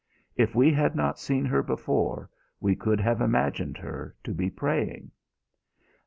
If we had not seen her before, we could have imagined her to be praying.